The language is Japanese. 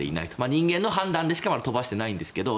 人間の判断でしかまだ飛ばしてないんですけど